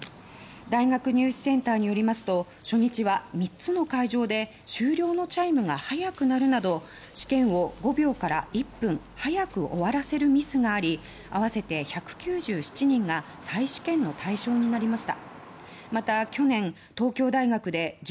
大学入試センターによりますと初日は３つの会場で終了のチャイムが早く鳴るなど試験を５秒から１分早く終わらせるミスがあり合わせて１９７人が再試験の対象になりました。